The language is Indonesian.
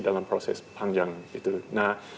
dalam proses panjang nah